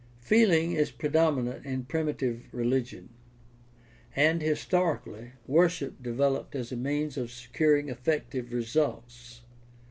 — Feeling is predominant in primitive religion, and, historically, worship developed as a means of securing effective results.